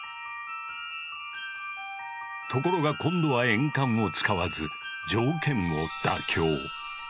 ところが今度は鉛管を使わず条件を妥協。